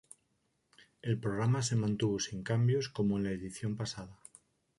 El programa se mantuvo sin cambios, como en la edición pasada.